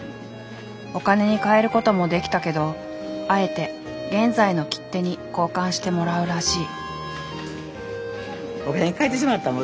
お金に換えることもできたけどあえて現在の切手に交換してもらうらしい。